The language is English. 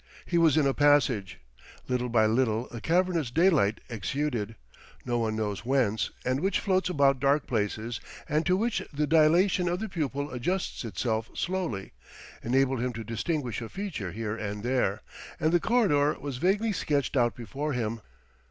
He was in a passage. Little by little a cavernous daylight exuding, no one knows whence, and which floats about dark places, and to which the dilatation of the pupil adjusts itself slowly, enabled him to distinguish a feature here and there, and the corridor was vaguely sketched out before him.